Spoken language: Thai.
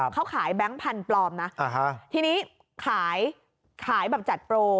เขาขายแบงค์พันธุ์ปลอมนะทีนี้ขายขายแบบจัดโปร